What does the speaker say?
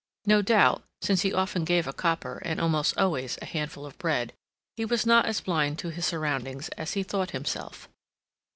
No doubt, since he often gave a copper and almost always a handful of bread, he was not as blind to his surroundings as he thought himself.